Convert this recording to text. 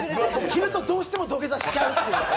着るとどうしても土下座しちゃうっていう。